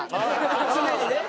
常にね。